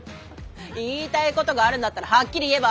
言いたいことがあるんだったらはっきり言えば。